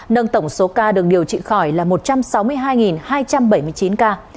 nâng tổng số ca được điều trị khỏi là một trăm sáu mươi hai hai trăm bảy mươi chín ca